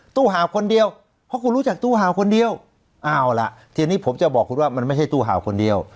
ห่าวคนเดียวเพราะคุณรู้จักตู้เห่าคนเดียวเอาล่ะทีนี้ผมจะบอกคุณว่ามันไม่ใช่ตู้ห่าวคนเดียว